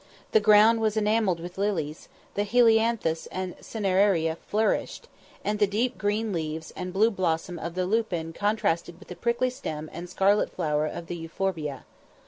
The ground was enamelled with lilies, the helianthus and cineraria flourished, and the deep green leaves and blue blossom of the lupin contrasted with the prickly stem and scarlet flower of the euphorbia.